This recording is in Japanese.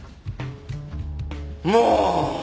もう！